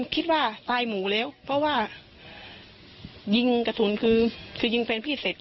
คิดว่าตายหมูแล้วเพราะว่ายิงกระสุนคือยิงแฟนพี่เสร็จ